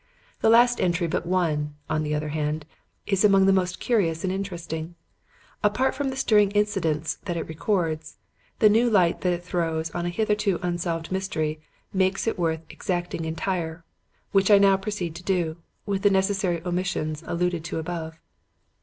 The last entry but one, on the other hand, is among the most curious and interesting. Apart from the stirring incidents that it records, the new light that it throws on a hitherto unsolved mystery makes it worth extracting entire, which I now proceed to do, with the necessary omissions alluded to above.